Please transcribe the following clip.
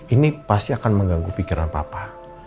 ini pasti akan mengganggu pikiran papa